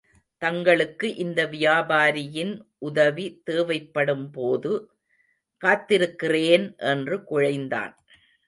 தங்களுக்கு இந்த வியாபாரியின் உதவி தேவைப்படும் போது... காத்திருக்கிறேன்! என்று குழைந்தான்.